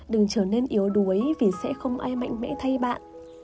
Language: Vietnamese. đừng trở nên yếu đuối vì sẽ không ai mạnh mẽ thay bạn